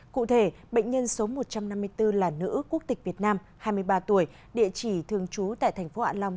cụ thể bệnh nhân số một trăm năm mươi bốn là nữ quốc tịch việt nam hai mươi ba tuổi địa chỉ thường trú tại thành phố hạ long